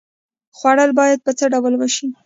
خوړل باید په څه ډول وشي؟